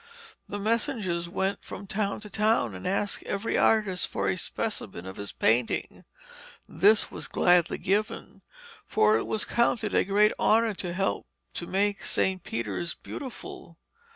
The messengers went from town to town and asked every artist for a specimen of his painting. This was gladly given, for it was counted a great honour to help to make St. Peter's beautiful.